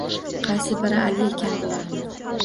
Qaysi biri Ali ekan bularni